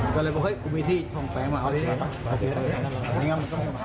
ก็เลยบอกเฮ้ยกูมีที่ฟองแฟงมาเอาที่นี้ไม่งั้นมันก็ไม่มา